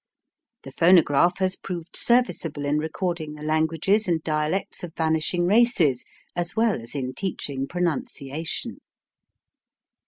The phonograph has proved serviceable in recording the languages and dialects of vanishing races, as well as in teaching pronunciation.